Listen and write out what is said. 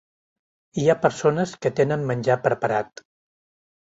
Hi ha persones que tenen menjar preparat.